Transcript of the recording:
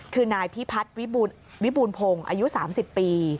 คือนายพิพัฒน์วิบูรพงศ์อายุ๓๐ปี